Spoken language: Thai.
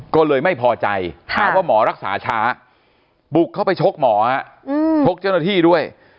ก็เลยไม่พอใจหาว่าหมอรักษาช้าบุกเข้าไปชกหมอชกเจ้าหน้าที่ด้วย